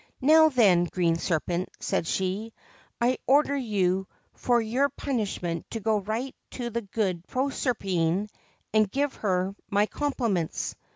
' Now then, Green Serpent,' said she, ' I order you for your punishment to go right to the good Proserpine, and give her my compliments.'